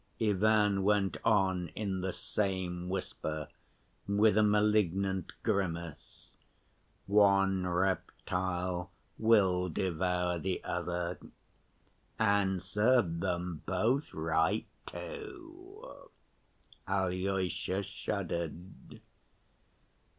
Ivan went on in the same whisper, with a malignant grimace. "One reptile will devour the other. And serve them both right, too." Alyosha shuddered.